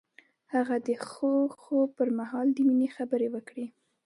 هغه د خوږ خوب پر مهال د مینې خبرې وکړې.